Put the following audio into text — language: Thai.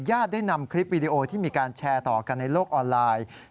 ได้นำคลิปวิดีโอที่มีการแชร์ต่อกันในโลกออนไลน์